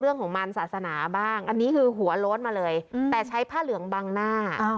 เรื่องของมันศาสนาบ้างอันนี้คือหัวโล้นมาเลยแต่ใช้ผ้าเหลืองบังหน้า